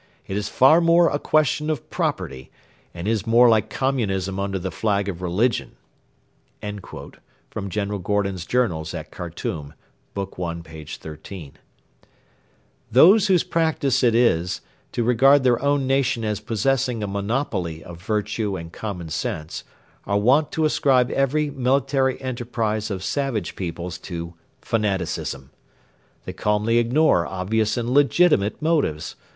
It is far more a question of property, and is more like Communism under the flag of religion.' GENERAL GORDON'S JOURNALS AT KHARTOUM, bk.i. p.13.] Those whose practice it is to regard their own nation as possessing a monopoly of virtue and common sense, are wont to ascribe every military enterprise of savage peoples to fanaticism. They calmly ignore obvious and legitimate motives.